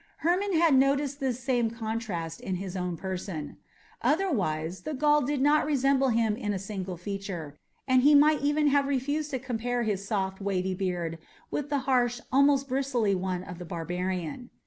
Hermon had noticed this same contrast in his own person. Otherwise the Gaul did not resemble him in a single feature, and he might even have refused to compare his soft, wavy beard with the harsh, almost bristly one of the barbarian.